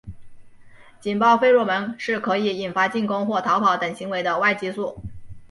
警报费洛蒙是可以引发进攻或逃跑等行为的外激素。